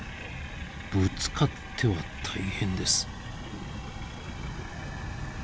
ぶつかっては大変です。